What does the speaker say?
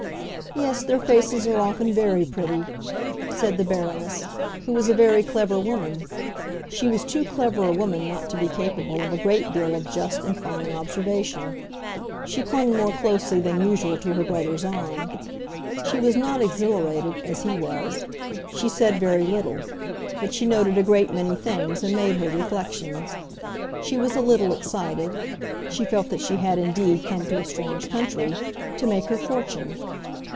"Yes, their faces are often very pretty," said the Baroness, who was a very clever woman. She was too clever a woman not to be capable of a great deal of just and fine observation. She clung more closely than usual to her brother's arm; she was not exhilarated, as he was; she said very little, but she noted a great many things and made her reflections. She was a little excited; she felt that she had indeed come to a strange country, to make her fortune.